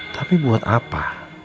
tapi buat apa